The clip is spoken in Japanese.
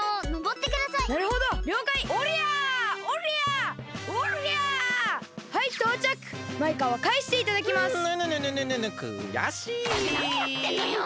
ったくなにやってんのよ！